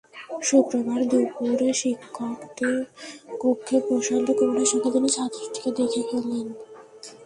শুক্রবার দুপুরে শিক্ষকদের কক্ষে প্রশান্ত কুমারের সঙ্গে তিনি ছাত্রীটিকে দেখে ফেলেন।